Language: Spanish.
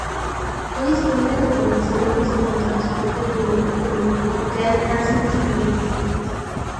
No dispone de conexiones con transporte público, aunque hay taxis disponibles.